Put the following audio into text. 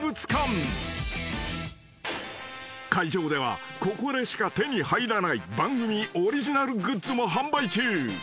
［会場ではここでしか手に入らない番組オリジナルグッズも販売中］